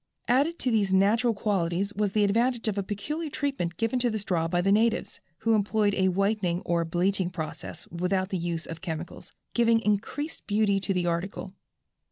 Added to these natural qualities was the advantage of a peculiar treatment given to the straw by the natives, who employed a whitening or bleaching process without the use of chemicals, giving increased beauty to the article.